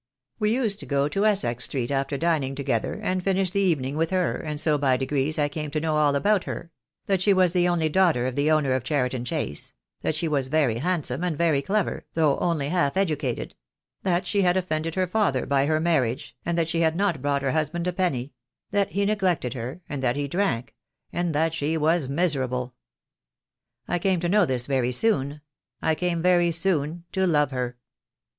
We used to go to Essex Street after dining together, and finish the evening with her, and so by degrees I came to know all about her — that she was the only daughter of the owner of Cheriton Chase; that she was very handsome, and very clever, though only half educated; that she had offended her father by her marriage, and that she had not brought her husband a penny; that he neglected her, and that he drank; and that she was miserable. I came to know this very soon; I came very soon to love her.